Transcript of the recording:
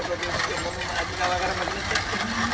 ものの味が分からなくなっちゃって。